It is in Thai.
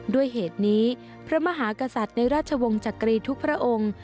ด้วยเหตุนี้พระมหากษัตริย์ในราชวงศ์จักรีทุกพระองค์